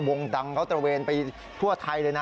ดังเขาตระเวนไปทั่วไทยเลยนะ